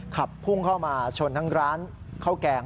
ขับพุ่งเข้ามาชนทั้งร้านข้าวแกง